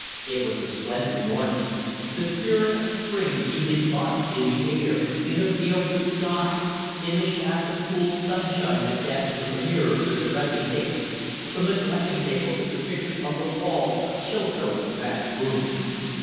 It was a splendid morning; the spirit of the spring seemed embodied in the air, in the pale blue sky, in the shafts of cool sunshine that danced from the mirror to the dressing table, from the dressing table to the pictures on the walls of Chilcote's vast room.